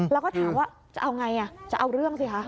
แล้วก็ถามว่าจะเอาไงจะเอาเรื่องสิคะ